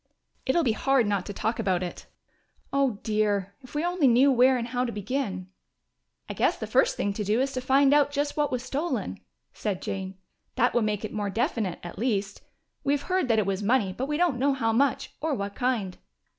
"It'll be hard not to talk about it. Oh, dear, if we only knew where and how to begin!" "I guess the first thing to do is to find out just what was stolen," said Jane. "That would make it more definite, at least. We have heard that it was money, but we don't know how much or what kind."